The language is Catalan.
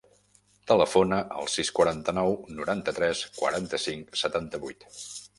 Telefona al sis, quaranta-nou, noranta-tres, quaranta-cinc, setanta-vuit.